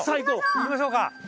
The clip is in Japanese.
行きましょう！